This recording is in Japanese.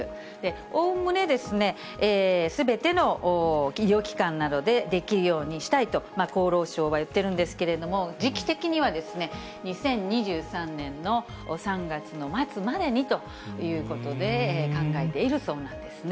おおむねすべての医療機関などでできるようにしたいと、厚労省は言ってるんですけれども、時期的にはですね、２０２３年の３月の末までにということで考えているそうなんですね。